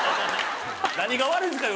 何が悪いんですか？